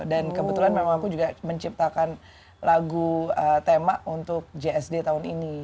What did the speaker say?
dan kebetulan memang aku juga menciptakan lagu tema untuk gsd tahun ini